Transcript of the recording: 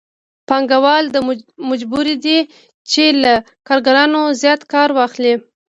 پانګوال مجبور دی چې له کارګرانو زیات کار واخلي